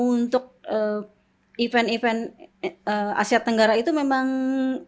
untuk event event asia tenggara itu memang